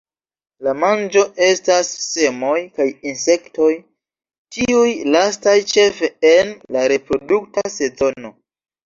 La manĝo estas semoj kaj insektoj, tiuj lastaj ĉefe en la reprodukta sezono.